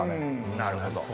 なるほど。